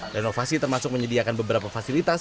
renovasi termasuk menyediakan beberapa fasilitas